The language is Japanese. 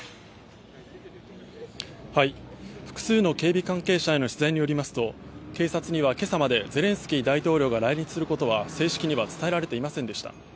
複数の警備関係者への取材によりますと警察には今朝までゼレンスキー大統領が来日することは正式には伝えられていませんでした。